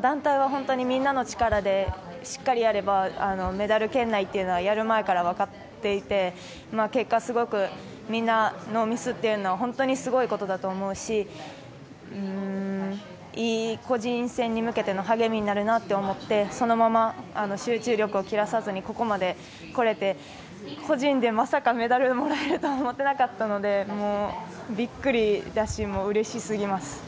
団体は本当にみんなの力でしっかりやればメダル圏内というのはやる前から分かっていて結果みんなノーミスっていうのは本当にすごいことだと思うし個人戦に向けていい励みになるなと思っていてそのまま集中力を切らさずにここまでこれて、個人でまさかメダルをもらえるとは思っていなかったのでビックリだしうれしすぎます。